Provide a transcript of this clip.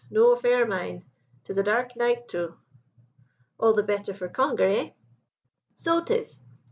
no affair o' mine. 'Tis a dark night, too.' "'All the better for conger, eh?' "'So 'tis.'